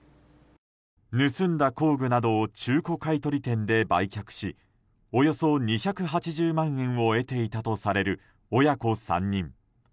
盗んだ工具などを中古買い取り店で売却しおよそ２８０万円を得ていたとされる親子３人。